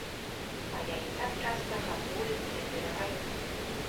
А я і так часта гатую, прыбіраю.